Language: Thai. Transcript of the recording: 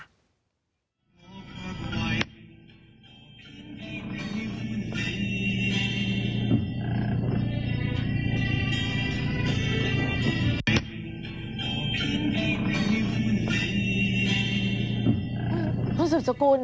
รู้สึกสกุล